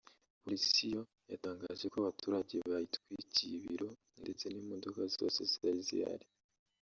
polisi yo yatangaje ko abaturage bayitwikiye ibiro ndetse n’imodoka zose zari zihari